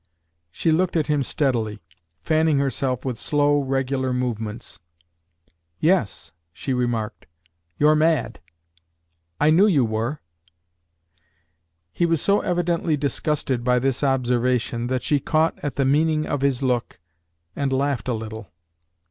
She looked at him steadily, fanning herself with slow, regular movements. "Yes," she remarked. "You're mad. I knew you were." He was so evidently disgusted by this observation, that she caught at the meaning of his look, and laughed a little.